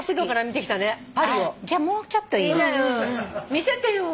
見せてよ。